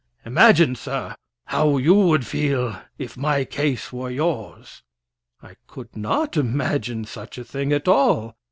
Imagine, sir, how you would feel if my case were yours." I could not imagine such a thing at all.